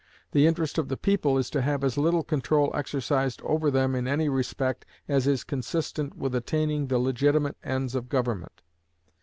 The interest of the people is to have as little control exercised over them in any respect as is consistent with attaining the legitimate ends of government.